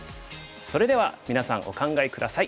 それではみなさんお考え下さい。